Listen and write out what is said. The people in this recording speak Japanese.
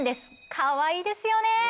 かわいいですよね